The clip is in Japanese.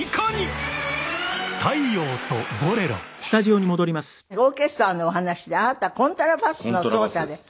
オーケストラのお話であなたコントラバスの奏者で。